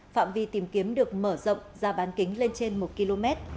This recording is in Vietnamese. phạm vi tìm kiếm được mở rộng ra bán kính lên trên một km